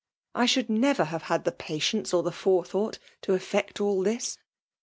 I should never have had the patience or the fopethonght to efiect all this.